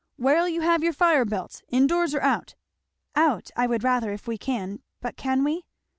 Where'll you have your fire built? in doors or out?" "Out I would rather, if we can. But can we?"